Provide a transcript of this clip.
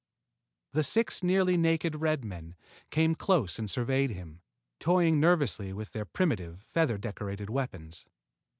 The six nearly naked red men came close and surveyed him, toying nervously with their primitive, feather decorated weapons.